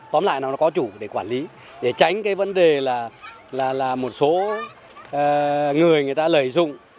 tóm lại nó có chủ để quản lý để tránh cái vấn đề là một số người người ta lợi dụng